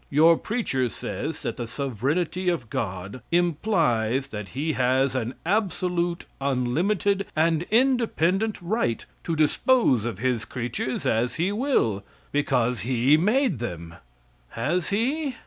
Your preacher says that the sovereignty of God implies that He has an absolute, unlimited and independent right to dispose of His creatures as He will, because He made them. Has He?